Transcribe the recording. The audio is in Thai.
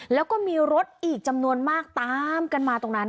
แล้วก็มีรถอีกจำนวนมากตามกันมาตรงนั้น